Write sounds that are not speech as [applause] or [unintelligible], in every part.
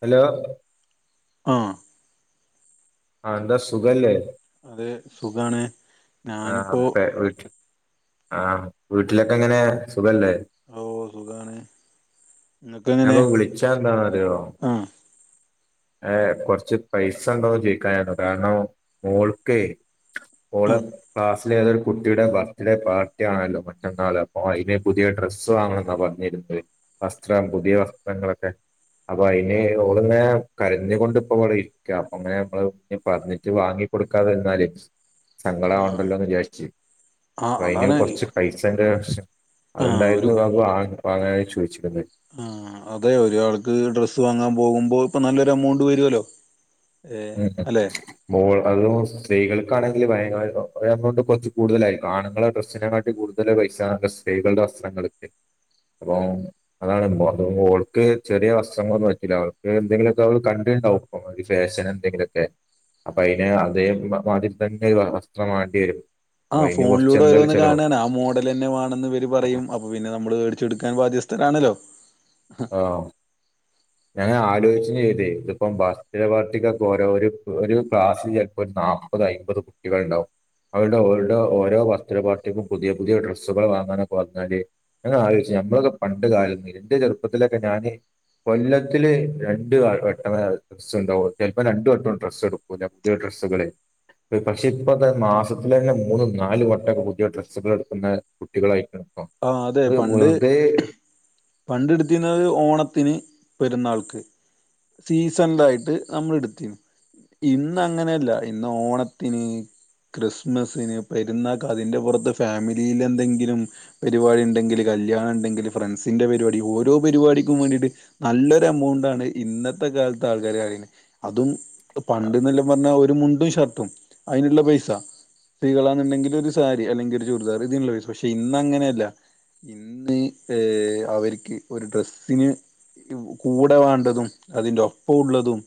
Hello ആഹ് ആഹ് എന്താ സുഖല്ലേ അതെ സുഖാണ് ആ് ഞാനിപ്പോ അവ്ത്തെ വീട്ട ആ വീട്ടിലൊക്കെ എങ്ങനെ സുഖല്ലേ ഓ സുഖാണ് ഇങ്ങക്ക് എങ്ങനെ ഞപ്പൊ വിളിച്ചാ എന്താ ന്ന് അറിയോ ആഹ് ഏ കൊറച്ച് പൈസ ഉണ്ടോന്ന് ചോയിക്കാ കാരണം മോൾക്ക ഓള ആഹ് ഫാസൽ ചെയത ഒരു കുട്ടിയുടെ ബർത്ത്ഡേ പാർട്ടി ആണല്ലോ മറ്റന്നാൾ അപ്പൊ അതിന് പുതിയ ഡ്രസ്സ് വാങ്ങണെന്നാ പറഞ്ഞഞ് വസ്ത്രം പുതിയ വസ്ത്രങ്ങളൊക്കെ അപ്പൊ അതിന് അവഓളങ്ങെ കരന്നൊണ്ട് ഇപ്പൊ അവള ഇരിക്ക അപ്പൊ അങ്ങനെ നമ്മള് പറഞ്ഞിട്ട് വാങ്ങി കൊടുക്കാതൊല് സങ്കട ആഹ് ച ആഹ് അ അന് അതാണ് കൊറച്ച് പൈസന്റെ ആഹ് അതുണ്ടായിരുന്നു ബാബു വാങ്ങാനായി ചോദിച്ചിരു ന്നത് ആ അതെ ഒരാൾക്ക് ഡ്രസ്സ് വാങ്ങാൻ പോകുമ്പോ ഇപ്പൊ നല്ലൊരു എമൗണ്ട് വരുവല്ലോ ഏഹ് അല്ലെ മോൾ അത സ്ത്രീകൾ ണെങ്കിൽ ഭയ എമൗണ്ട് കുറച്ച് കൂടുതലായി ആണുങ്ങളുടെ ഡ്രസ്സിനെട്ടി കൂടുതൽ പൈസ സ്ത്രീകളുടെ വസ്ത്രങ്ങളക്ക് അപ്പം അതാണ് അവൾക്ക് ചെറിയ വസ്ത്രങ്ങൊന്നന്ന് വെച്ചില്ല അവക്ക് എന്തെങ്കിലുമൊക്കെ അവ കണ്ട ഫാഷൻ എക്കെ അപ്പൊ അതിന് അതേ മാതിരി തന്നെ വസ്ത്രം വണ്ടി വരും ആ അപ്പൊ അതിന് കുറച്ച് ഫോണിലൂടെ എന്തായാലും ഓരോന്ന് ചെലവാകും കാണാന ആ മോഡൽ തന്നെേണെന്ന്വര് പറയും അപ്പൊ പിന്നെ നമ്മള് മേടിച്ചെടുക്കാൻ ബാധ്യ രാണല്ലോ ആഹ ഞങ്ങ ആരോ ച്ച ചെയ്ത ഇപ്പ ബ പാർട്ടിക്ക ഓരോ ഒരു ക്ലാസ്സ് ചിലപ്പോ നാപ്പത് അമ്പത് കുട്ടികൾണ്ടാവും അവരുടെ ഓടെ ഓരോ ബർത്ത്ഡേ പാർട്ടിക്കും പുതിയ പുതിയ ഡ്രസ്സുകൾ വാങ്ങാനൊക്കെ പറഞ്ഞാല് ങ്ങെ ആലോചിച്ച ഞമ്മളൊക്കെ പണ്ട് കാലം എന്റെ ചെറുപ്പത്തിലൊക്കെ ഞാന് കൊല്ലത്തില് രണ്ട വട്ട ഡ്രസ്സ് ഉണ്ടാവും ചിലപ്പോ രണ്ട വട്ടവും ഡ്രസ്സ് എടുക്കൂ പുട്ട സടെ പക്ഷെ ഇപ്പൊ മാസത്തില തന്നെ മൂന്നും നാല് വട്ടംൊക്കെ പുതിയ ഡ്രസ്സുകൾ എടുക്കുന്ന കുട്ടികളായിരിക്കണം ആഹ അതെ പണ്ട് പണ്ട്ടുത്ത് റ്റുന്നത് ഓണത്തിന് പെരുന്നാൾക്ക് സീസണില ആായിട്ട് നമ്മൾ എടുത്തിും ഇന്ന അങ്ങനെയല്ല ഇന്ന് ഓണത്തിന് ക്രിസ്മസിന് പെരുന്നാ അതിന്റെ പുറത്ത് ഫാമിലിൽ എന്തെങ്കിലും പരിപാടി ഉണ്ടെങ്കിൽ കല്യാണം ഉണ്ടെങ്കിൽ ഫ്രണ്ട്സിന്റെ പരിപാടി ഓരോ പരിപാടിക്കും വേണ്ടിയിട്ട് നല്ലൊരു എമൗണ്ട് എണ് ഇന്നത്തെ കാലത്ത് ആൾക്കാര കെ അതും പണ്ടെന്നെല്ലാം പറഞ്ഞാ ഒരു മുണ്ടും ഷർട്ടും അതിനുള്ള പൈസ ശ്രീകള എന്നുണ്ടെങ്കിൽ ഒരു സാരി അല്ലെങ്കിൽ ഒരു ചൂരിദാർ ഇതിനുള്ള പൈസ പക്ഷെ ഇന്ന അങ്ങനെ ഇന്ന് ഏ അവർക്ക് ഒരു ഡ്രസിന് കൂടെ വേണ്ടതും അതിന്റെ ഒപ്പംള്ളതും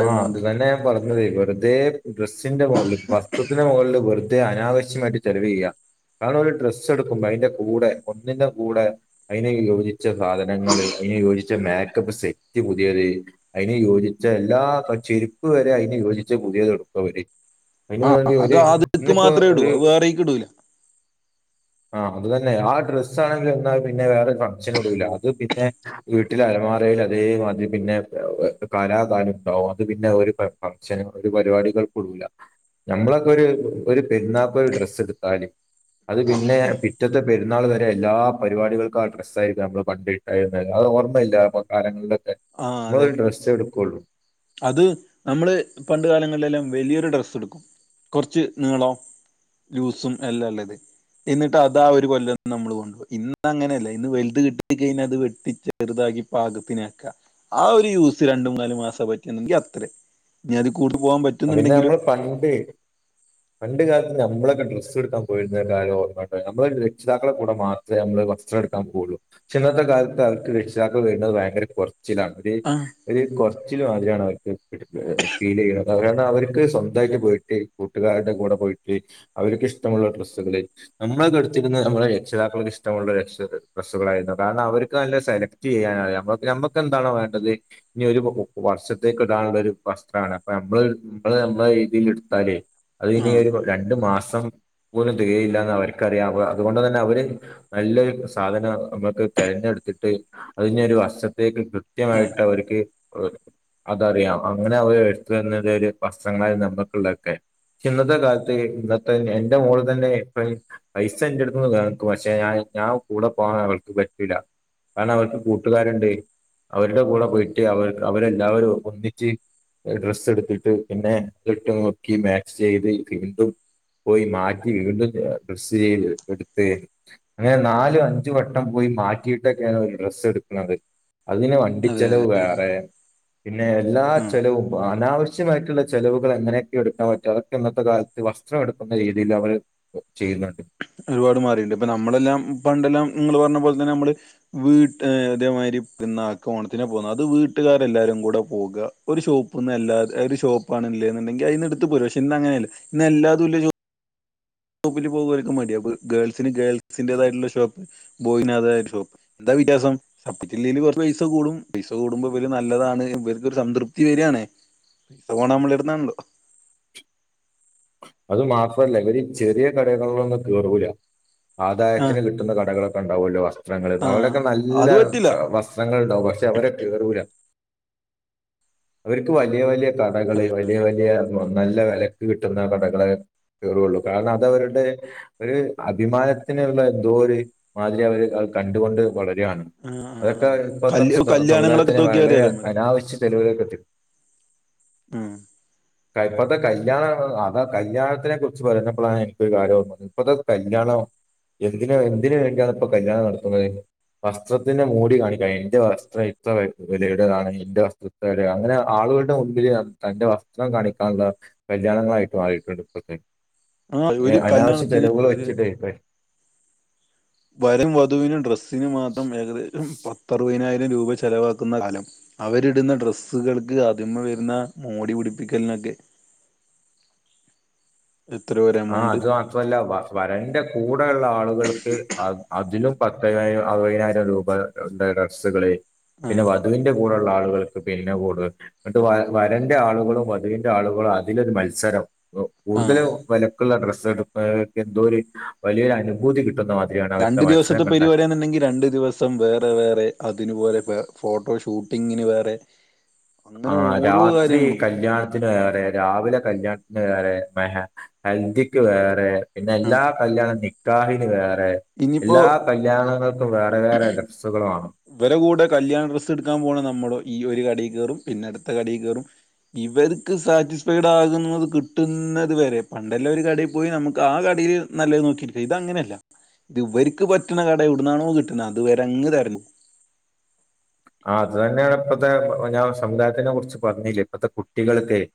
ആഹ അത്തന്നെ പറഞ്ഞത്േ വെറുതെ ഡ്രെസിന്റെ മുകളിൽ വസ്ത്രത്തിന്റെ മുകളിൽ വെറുതെ അനാവശ്യമായിട്ട് ചെലവ ചെയ്യുക കാരണം ഒരു ഡ്രസ്സ് എടുക്കുമ്പോ അതിന്റെ കൂടെ ഒന്നിന്റെ കൂടെ അതിനെ യോജിച്ച സാധനങ്ങള്ൾ അതിനന് യോജിച്ച മാക്കപ്പ് സെറ്റ് പുതിയത് അതിനന് യോജി എല്ലാ ചെരുപ്പ് വരെ അതിന് യോജിച്ച് പുതിയത്ൊടുക്കവര് ആ അതിനന്ുവേണ്ടി അത് ഒരു ആദ്യക്ക് ഇന്നിപ്പോൊ മാത്രമേ ഇടൂ ഒരു അത് വേറേക്ക് ഇടൂല ആഹ അത്തന്നെ ആ ഡ്രസ്സ് ആണെങ്കിൽ ഒാ പിന്നെ വേറെ ഫംഗ്ഷൻ ഇടൂല അത് പിന്നെ വീട്ടിൽ അരമാറയിൽ അതേ മതി പിന്നെ പിന്നെ കലാകാലം ഉണ്ടാവും അത് പിന്നെ ഒരു ഭച്ചന ഒരു പരിപാടികൾക്കടൂല മ്മളൊക്കെ ഒരു ഒരു പെരുന്നാപ്പ ഒരു ഡ്രസ്സ് എടുത്താലും അത് പിന്നെ പിറ്റത്തെ പെുന്നാൾ വരെ എല്ലാ പരിപാടികൾക്കും ആ ഡ്രസ്സ ആായിരിക്ക നമ്മള് പണ്ടട്ടായി ഓർമ്മയില്ലപ്പ കാലങ്ങളിലൊക്കെ ആ അതെ മുതൽ ഡ്ര എടുക്കുകയുള്ളൂ അത് നമ്മള് പണ്ട കാലങ്ങളിലെല്ലാം വലിയൊരു ഡ്രസ്സ് എടുക്കും കുറച്ച് നിളോ ലൂസും എല്ലാം ഉള്ളത് എന്നിട്ട് അതാ ഒരു കൊല്ലന്ന് നമ്മൾ കൊണ്ടപോകയി ഇന്ന് അങ്ങനെയല്ല ഇന്ന് വലുത് കിട്ടി കഴിഞ്ഞ അത് വെട്ടിച്ചെുത [unintelligible] ആ ഒരു യുസ് രണ്ടും മൂന്നാല് മാസം പറ്റുന്നെങ്കിൽ അത്രയും ഇനി അതി കൂ പിന്നെ നമ്മള് പണ്ട് പണ്ട് ക നമ്മളൊക്കെ ഡ്രസ്സ് എടുക്കാൻ പോരുന്ന കാര്യം ഓമ്മോട്ട നമ്മ രക്ഷിതാക്കള കൂടെ മാത്രമേ നമ്മള് വസ്ത്ര എടുക്കാൻ പോയുള്ളൂ ചന്നത്തെ അതെ കാലത്ത് അവർക്ക് രക്ഷിതാക്ക കഴിയുന്നത് ഭയങ്കര കുറച്ച ആ കൊ കൊറച്ചില് മാതിരിണ് അവർക്ക് ഫീൽ ചെയ്യുന്നത് കണം അവർക്ക് സ്വന്തമായിട്ട് പോയിട്ട് കൂട്ടുകാരുടെ കൂടെ പോയിട്ട് അവർക്ക് ഇഷ്ടമുള്ള ഡ്രസ്സുകള് നമ്മള് കടുത്തിരുന്ന നമ്മളെ രക്ഷിതാക്കൾക്ക് ഇഷ്ടമുള്ള ര ബസ്സുകളായിരുന്നു കാരണം അവർക്ക് നല്ല സെലക്ട് ചെയ്യ നമ്മുക്ക് എന്താണോ വേണ്ടത് ഇനി ഒരു വർഷത്തേക്ക് ഇടാനുള്ള ഒരു വസ്ത്രണ് നമ്മള് നമ്മള് നമ്മള രീതിൽ എടുത്താല് അത് ആ ഇനി ഒരു രണ്ടു മാസം പോന്നും തികയില്ലന്ന് അവർക്ക്റിയാം അ അതുകൊണ്ട് തന്നെ അവര് നല്ലൊരു സാധനം നമ്മുക്ക് താ എടുട്ട് അ ഇനി ഒരു വർഷത്തേക്ക് ആ കൃത്യമായിട്ട് ആ അവർക്ക് അത അറിയാം അങ്ങനെ അവര് ര ഒരു വസ്ത്രങ്ങളായി നമ്മുക്കുള്ളതൊക്കെ ഇന്നത്തെ കാലത്ത് ഇന്നത്തെ എന്റെ മോള തന്നെ ഇപ്പ പൈസ എൻന്റെറ അടുത്തുന്ന് കേക്കും പക്ഷെ ഞാൻ ഞാൻ കൂടെ പോകാൻ അവൾക്ക് പറ്റില്ല ആ കാരണം അവർക്ക് കൂട്ടുകാരുണ്ട് അവരുടെ കൂടെ പോയിട്ട് അവർ അവരെല്ലാവരും ഒന്നിച്ച് ഡ്രസ്സ് എടുത്തിട്ട് പിന്നെ ഇട്ട് നോക്കി മാച്ച് ചെയ്ത് വീണ്ടും പോയി മാറ്റി വീണ്ടും ഡ്രസ് എടുത്ത് അങ്ങനെ നാലും അഞ്ചു വട്ടം പോയി മാറ്റിയിട്ടൊക്കെയ ഡ്രസ്സ് എടുക്കുന്നത് അതിന് വണ്ടി അതെ അതെ ചെലവ് വേറെ പിന്നെ എല്ലാ ആ ചെലവും അനാവശ്യമായിട്ടുള്ള ചെലവുകൾ എങ്ങനെയൊക്കെ എടുക്കാൻ പറ്റും അതൊക്കെ ഇന്നത്തെ കാലത്ത് വസ്ത്രം എടുക്കുന്ന രീതിയിൽ അവര് ചെയ്യുന്നുണ്ട് ഒരുപാട് മാറിട്ടു ണ്ട്ഇപ്പൊ നമ്മളെല്ലാം പണ്ടെല്ലാം നിങ്ങൾ പറഞ്ഞ പോലെ തന്നെ നമ്മള് വീട്ട ഇതേ മാതിരി പിന്നെ ഓണത്തിനാണ് പോവുന്നത് അത് വീട്ടുകാരെല്ലാവാരും കൂടെ പോവുക ഒരു ഷോപ്പ നിന്ന്ല്ലാ ഷോപ്പാണ് ഇല്ലെന്നുണ്ടെങ്കിൽ അതി എടുത്ത് പോരാ പക്ഷെ ഇന്ന് അങ്ങനെയല്ല ഇന്ന്ല്ലാതുള്ള- ഷോപ്പിൽ പോകുക മടി ഗേൾസിന് ഗേൾസിന്റേതായിട്ടുള്ള ഷോപ്പ് ബോയിന് ഷോപ്പ് എന്താല- വ്യത്യാസം സപ്പറ്റില്ല [unintelligible] ല് കുറ പൈസ കൂടും പൈസ കൂടുമ്പോ ഇവര് നല്ലതാണ് ഇവർക്കൊരു സംതൃപ്തി വരിയാണ് പൈസ പോണ നമ്മള ടുത്തുന്നു ണല്ലോ അത് മാത്രല്ല ഇവര് ചെറിയ കടകളിലൊന്നും കേറൂ ല ആഹ് ആദായത്തിന് കിട്ടുന്ന കടകളൊക്കെ ഉണ്ടാവുമല്ലോ വസ്ത്രങ്ങൾ ആഹ് അവലൊക്കെ നല്ല അത് പറ്റില്ല വസ്ത്രങ്ങൾ ഉണ്ടാവും പക്ഷെ- അവര കേറൂല അവർക്ക് വലിയ വലിയ കടകള് അതെ വലിയ വലിയ- നല്ല വിലക്ക് കിട്ടുന്ന കടകളെ- കേറുള്ളു കാരണം അതവരുടെ ഒരു അഭിമാനത്തിനുള്ള എന്തോ ഒരു മാതിരി അവര്- കണ്ടുകൊണ്ട് വളരും ആഹ് അതൊക്കെ ആഹ് ഇപ്പൊത്തെ കല് കല്യാണങ്ങളൊക്കെ സമുദായത്തിന് എടുത്ത് നോക്കിയാ വളരെ അറിയാലോ നമ്മക്ക് അനാവശ്യ ചെലവിലേക്ക്എത്തിക്കും ഉം കൈപ്പത്തെ കല്യാണ അതാ കല്യാണത്തിനെ കുറിച്ച് പറഞ്ഞപ്പോഴാണ് എനിക്കൊരു കാര്യം ഓർമ്മവരൂ ന്നത് ഇപ്പത്തെ കല്യാണം എന്തിന എന്തിന് വേണ്ടിയാണ് ഇപ്പോ കല്യാണം നടത്തുന്നത് വസ്ത്രത്തിന്റെ മൂടി കാണിക്കാൻ എന്റെ വസ്ത്രം ഇത്രവിലയുടെയാ ണ് എന്റെ വസ്ത്രം ഇത്ര അങ്ങനെ ആ- ആളുകളുടെ മുൻപില് തന്റെ വസ്ത്രം കാണിക്കാനുള്ള പ്രചാരണങ്ങളായിട്ട് മാറിയിട്ടുണ്ട് ഇപ്പോഴത്തെേ ആഹ് ങേ ഒരു അനാവശ്യ കല്യാണത്തിന് ചെലവുകൾ ഒരു വെച്ചിട്ടേ ഇപ്പ- വരൻ വധുവിനും ഡ്രെസ്സിന് മാത്രം ഏകദേശം- പത്തറുപതിനായിരം രൂപ ചെലവാക്കുന്ന കാലം അവരിടുന്ന ഡ്രസ്സുകൾക്ക് അതിമ വരുന്ന- മോടി പിടിപ്പിക്കലിനൊക്കെ എത്രയോ ഒരു ആ എമൗണ്ട് അത് മാത്രല്ല വരന്റെ കൂടെയു ള്ള ആളുകൾക്ക്ആ അതിലും പത്തം അറുപതിനായിരം രൂപ യുടെ ഡ്രസ്സുകള് പിന്നെ ആഹ് വധുവിന്റെ കൂടെ- ആളുകൾക്ക് പിന്നെ കൂടുൽ എന്നിട്ട് വരന്റെ ആളുകളും വധുവിന്റെ ആളുകളും അതിലൊരു മത്സരം ആഹ് കൂടുതലും വിലക്കുള്ള ഡ്രസ്സ് എടുക്കുന്നെ എന്തോ ഒരു വലിയൊരു അനുഭൂതി കിട്ടുന്ന മാതിരി രണ്ടു ദിവസത്തെ പരിപാടി ആണെ ന്നുണ്ടെങ്കിൽ രണ്ടു ദിവസം വേറെ വേറെ അതിനപോലെ ഫോട്ടോ ഷൂട്ടിങ്ങിന് വേറെ ആ അങ്ങനെ ഓരോ രാത്രി കാര്യങ്ങളും കല്യാണത്തിന്റെവേറെ രാവിലെ കല്യാണ വേറെ മെഹ ഹൽദിക്ക് വേറെ പിന്നെ എല്ലാ ആഹ് കല്യാണം നിക്കാഹിന് വേറെ ഇനിയിപ്പോ എല്ലാ കല്യാണങ്ങൾക്കും വേറെ വേറെ ഡ്രെസ്സുകളമാണ് ഇവരെ കൂടെ കല്യാണഡ്രസ്സ്‌ എടുക്കാൻ പോണ നമ്മൾ ഈ ഒരു കടയിൽ കയറും പിന്നെ അടുത്ത കടയിൽ കയറും ഇവ- ശരിക്കും സാറ്റിസ്ഫൈഡ ആകുന്നത് കിട്ടുന്നത് വരെ പണ്ടെല്ലാം ഒരു കടയിൽ പോയി നമുക്ക് ആ കടയിൽ നല്ല നോക്കിരിക്ക ഇത് അങ്ങനെയല്ല ഇത് ഇവർക്ക് പറ്റുന്ന കട ഇടുന്നാണോ കിട്ടുന്നത് അതുവരെ അങ്ങ് തെരഞ്ഞോ ആ അത് ത ന്നെയാണ് ഇപ്പത്തെ ഞാൻ സമുദായത്തിനെ കുറിച്ച് പറഞ്ഞില്ല ഇപ്പത്തെ കുട്ടികൾക്കെ-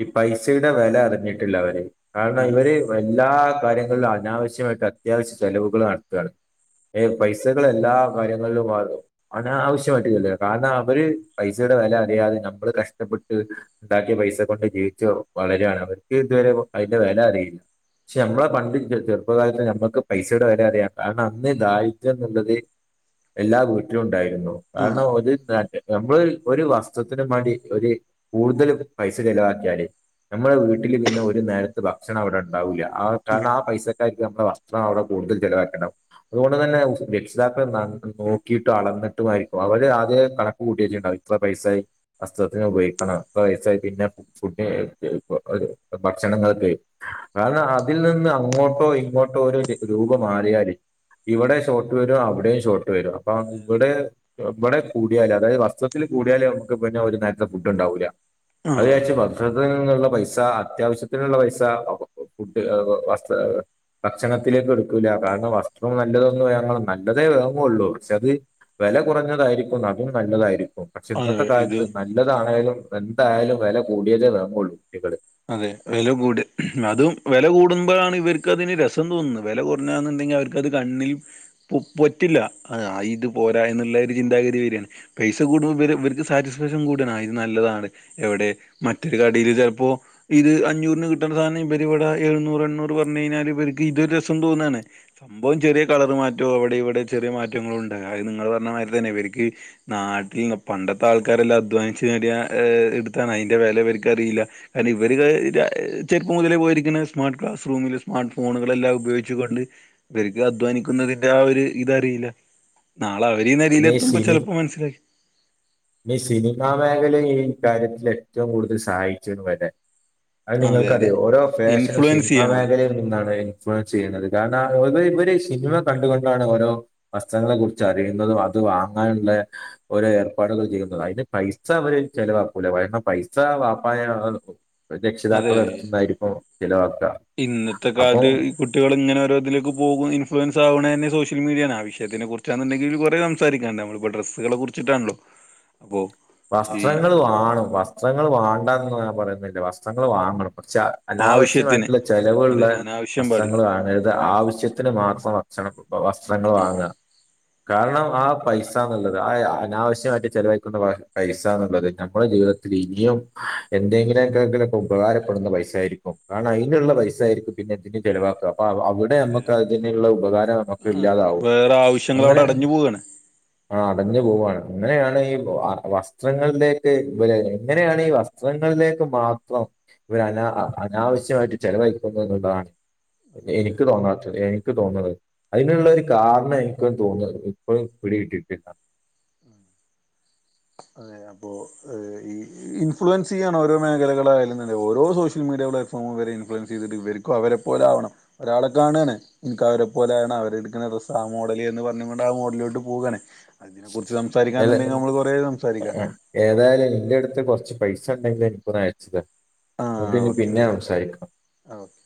ഈ പൈസയുടെ വില അറിഞ്ഞിട്ടില്ല അവര് കാരണം ആ ഇവര് എല്ലാ കാര്യങ്ങളിൽ അനാവശ്യമായിട്ട് അത്യാവശ്യ ചെലവുകൾ നടത്തുകയാണ് ഏ പൈസകൾ എല്ലാ കാര്യങ്ങളിലും ആകും ആനാവശ്യ ചെലവായിക്കുക കാരണം അവര് പൈസയുടെ വില അറിയാതെ നമ്മൾ കഷ്ടപ്പെട്ട് ഉണ്ടാക്കിയ പൈസ കൊണ്ട്ജീവി- വളരെയാണ് അവർക്ക് ഇതുവരെ അതിന്റെ വില അറിയില്ല പക്ഷെ നമ്മളെ പണ്ട് ചെറുപ്പകാലത്ത് നമ്മക്ക് പൈസയുടെ വില അറിയാം കാരണം അന്ന് ദാരിദ്ര്യം എന്നുള്ളത് എല്ലാ വീട്ടിലും ഉണ്ടായിരുന്നു ആ കാരണം ഒരുട്ട നമ്മള് ഒരു വസ്ത്രത്തിന് മാ ണ്ടി ഒരു കൂടുതൽ പൈസ ചിലവാക്കിയാല് നമ്മള വീട്ടില് പിന്നെ ഒരു നേരത്ത് ഭക്ഷണം അവിടെ ഉണ്ടാവൂല്ല കാരണം ആ പൈസ- ന വസ്ത്രം അവിടെ കൂടുതൽ ചിലവാക്കണ്ടാവും അതുകൊണ്ട് തന്നെ രക്ഷിതാക്കൾ നോക്കിയിട്ട് അള- എന്നിട്ടും മായിരിക്കും അവര് ആദ്യേ കണക്ക് കൂട്ടിയിട്ട്ണ്ടാവും ഇത്ര പൈസായി വസ്ത്രത്തിനുപയോഗിക്കണം ത്ര പൈസായി പിന്നെ ഫു [unintelligible] ഭക്ഷണങ്ങൊക്കെ കാരണം അതിൽ നിന്ന് അങ്ങോട്ടോ ഇങ്ങോട്ടോ രൂപമാറിയാല് ഇവിടെ ഷോർട്ട് വരും അവിടെയും ഷോർട്ട് വരും അപ്പൊ അതെ അതെ വടെ വടെ കൂടിയാൽ അതായത് വസ്ത്രത്തിൽ കൂടിയാല് നമുക്ക് പിന്നെ ഒരു നേരത്തെ ഫുഡ് ഉണ്ടാവൂല്ല ആ അത് ജാർച്ച [unintelligible] ള്ള പൈസ അത്യാവശ്യത്തിനുള്ള പൈസ ഫുഡ് വസ് ഭക്ഷണത്തിലേക്ക് എടുക്കൂല്ല കാരണം വസ്ത്രം നല്ലതൊന്നും ഞങ്ങൾ നല്ലതേ ങ്ങോള്ളൂ ക്ഷെ അത് വെല കുറഞ്ഞതായിരിക്കും അതും നല്ലതായിരിക്കും പക്ഷെ അതെ ഇന്നത്തെ ഇത് കാലത്ത് നല്ലതാണേലും എന്തായാലും വെല കൂടിയതേ വാങ്ങൊള്ളൂ ഇങ്ങൾ അതെ വെല കൂടി അതും വെല കൂടുമ്പോഴാണ് ഇവർക്കതിന് രസം തോന്നുന്നത് വില കുറഞ്ഞ ന്ന് ഞ വർക്കത് കണ്ണിൽ പു പൊറ്റില്ല ആ ഇത് പോരാ എന്നുള്ള രു ചിന്താഗതി വെരാണ് പൈസ കൂടുമ്പ പിന്നെ വർക്ക് സാചി ഫാഷൻ കൂടാണ് ആ ഇത് നല്ലതാണ് എവിടെ മറ്റൊരു കടീൽ ചെൽപ്പോ ഇത് അഞ്ഞൂർന് കിട്ടണ സാനെ ബര് വടെ എഴുന്നൂറ് എണ്ണൂറ് പർഞയ്ഞ്ഞാല് ഇവർക്ക് ഇത് രസം തോന്നാണ് മ്പോ ചെറ്യേ കളർ മാറ്റോം വടിം വിടിം ചെറ്യേ മാറ്റങ്ങളോ ണ്ടാക അഹ് നിങ്ങൾ പറഞ്ഞ മാതിരി തന്നെ വർക്ക് നാ ട്ടിൽന് പണ്ടത്താൾക്കാരെല്ലാം അധ്വാനിച്ച് നേടിയ ഇട്ത്താണ് അയ്ന്റെ വെല വർക്കറീല. അയ്‌ന് വര് ക ര ചെർപ്പം മുതലേ പോയിരിക്ക്ണെ സ്മാർട്ട് ക്ലാസ് റൂമിൽ സ്മാർട്ട് ഫോണുകളെല്ലാം ഉപയോഗിച്ചുകൊണ്ട് വർക്ക് അധ്വാനിക്കുന്നതിന്റെ ആ ഒരു ഇതറീല്ല പിന്നെ ഈ സിനി മനസ്സിലാക്കി ഈ സിനിമാ മേഖലയി ക്കാര്യത്തിൽ ഏറ്റവും കൂടുതൽ സഹായിച്ചീണ് വരെ അഹ് അതെ അതെ നിങ്ങൾക്കറിയോ ഓരോ ഫാഷനും ഇൻഫ്ലുവൻസ് സിനിമാ ചെയ്യാണ് ഇവര് മേഖലയിൽ നിന്നാണ് ഇൻഫ്ലുവൻസെയ്യ്ണത്. കാരണം ത് ഇവര് സിനിമ കണ്ടുകൊണ്ടാണ് ഓരോ വസ്ത്രങ്ങളെ കുറിച്ച് അറിയ ന്നതും അത് വാങ്ങാനുള്ള ഓരോ ഏർപ്പാടുകൾ ചെയ്യുന്നത് അയ്ന് പൈസ വര് ചെലവാക്കൂല കാരണം പൈസ വാപ്പായോ അതെ രക്ഷിതാക്കളെ അട്ത്ത്ന്നായിരിക്കും. ഇന്നത്തെ കാൽത്ത് ഈ കുട്ടികൾ ങ്ങനെ ഓരോതിലേക്ക് പോവും ഇൻഫ്ലുവൻസ് ആവ്ണെന്നെ സോഷ്യ ൽ മീഡിയേണ് ആ വിഷയത്തിന്റെ കുർച്ചാന്ന്ണ്ടെങ്കിൽ കുറേ സംസാരിക്കാണ്ട് നമ്മൾ പ്പ ഡ്രസ്സുകളെ കുർച്ചിട്ടാണല്ലോ വസ്ത്രങ്ങൾ വാണും വസ്ത്രങ്ങൾ വാണ്ട ന്ന് ഞാൻ പറയുന്നില്ല വസ്ത്രങ്ങൾ വാങ്ങണം പക്ഷെ ആവശ്യത്തിന് അനാവശ്യമായിട്ടുള്ള അതെ ചെലവ്ള്ളെ അനാവശ്യം പാടില്ല വസ്ത്രങ്ങൾ വാങ്ങരുത് ആവശ്യത്തിന് മാത്രംവ ക്ഷണം വസ്ത്രങ്ങൾ ഉം വാങ്ങ കാരണം ആ പൈസാന്നുള്ളത് ആ അനാവശ്യായിട്ട് ചിലവഴിക്കുന്ന വ പൈസന്നുള്ളത് നമ്മളെ ജീവിതത്തിൽ ഇനിയും എന്തെങ്കിലുംക്കക്കൊക്കെ ഉപകാരപ്പെടുന്ന പൈസായിരിക്കും കാർണം അയ്നുള്ള പൈസായിരിക്കും പിന്നെ തിന് ചെലവാക്കാ പ്പ അവ്ടെ അതെ മ്മക്ക് അതിനുള്ള ഉപകാരം നമുക്ക് ആ ഇല്ലാതാവും വേറെ ആവശ്യങ്ങൾ അവിടെ അങ്ങനെ അടഞ്ഞു പോവാണ് ആ അടഞ്ഞു ഉം പോവാണ് അങ്ങനെയാണ് ഈ വ വസ് ത്രങ്ങൾലേക്ക് വൽ എങ്ങനെയാണ് ഈ വസ്ത്രങ്ങൾലേക്ക് മാത്രം വന ആ നമ്മ- അനാവശ്യമായിട്ട് ചെിലവഴിക്കുന്നുള്ളതാണ് അതെ അതെ അതെ എനിക്ക് തോന്നാത്ത എനിക്ക് തോന്ന്ണെ ഉം. അയ്ന്ള്ള ഒരു കാരണായ് - ക്ക തോന്നപ്പളും പിടി കിട്ടിട്ടില്ല അതെ അപ്പോ ഇൻഫ്ലുവൻസ് ചെയ്യാണോ രോ മേഖലകളായാലും ന്താണ് ഓരോ സോഷ്യൽ മീട്യ പ്ലാറ്റ്ഫോമും വരെ ഇൻഫ്ലുവൻസെയ്തിട്ട് വർക്കു അവരെ പോലാവണം ഒരാളെ കാണണ് ന്ക് അവരെ പോലാവണ ത്ട്ക്ക്ണ ഡ്രെസ്സ ആ മോഡല് എന്ന് പർഞ് കൊണ്ടാ മോഡ്ലോട്ട് പോകണ് അതിനെ കുറിച്ച് സംസാരിക്ക ഏത ന്ന് ണ്ടെങ്കി നമ്മൾ കൊർ ഏതായാലും ന്റെ ട്ത്ത് കൊർച്ച് പൈസ ണ്ടെങ്കിലിൽ ന്കൊന്നയച്ച് തർ ആ മ്മക്കിനി ഓക്കെ പിന്നെ ഓക്കെ സംസാരിക്കാം. ആ ഓക്കെ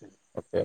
ശരി ഓക്കെ